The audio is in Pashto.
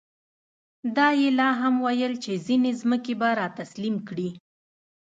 دا یې لا هم ویل چې ځینې ځمکې به را تسلیم کړي.